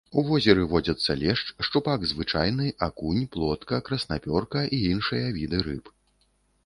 У возеры водзяцца лешч, шчупак звычайны, акунь, плотка, краснапёрка і іншыя віды рыб.